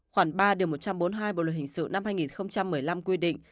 khoảng ba điều một trăm bốn mươi hai bộ luật hình sự năm hai nghìn một mươi năm quy định